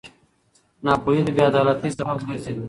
ناپوهي د بېعدالتۍ سبب ګرځي.